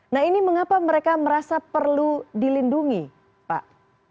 nah ini mengapa mereka merasa perlu dilindungi pak